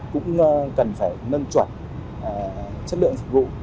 cũng cần phải nâng chuẩn chất lượng phục vụ